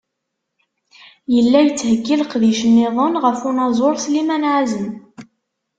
Yella yettheggi leqdic-nniḍen ɣef unaẓur Sliman Ɛazem.